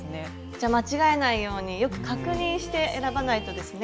じゃ間違えないようによく確認して選ばないとですね。